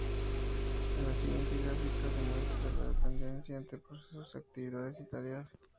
En la siguiente gráfica se muestra la dependencia entre Procesos, Actividades y Tareas.